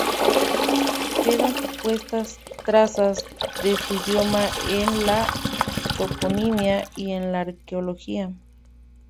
Quedan supuestas trazas de su idioma en la toponimia y en la arqueología.